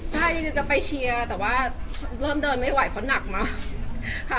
ใช่จริงจะไปเชียร์แต่ว่าเริ่มเดินไม่ไหวเพราะหนักมากค่ะ